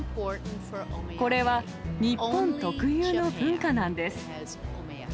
これは日本特有の文化なんです。